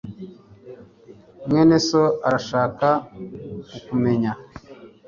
mwene so arashaka kukumenya